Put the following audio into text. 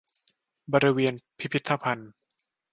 บริเวณพิพิธภัณฑ์